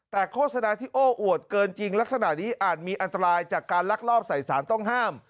แต่โฆษณาที่โอ้อวดเกินจริงลักษณะนี้อาจมีอันตรายจากการลักลอบใส่สารต้องห้าม